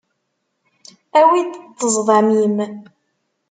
Awi-d ṭṭezḍam-im.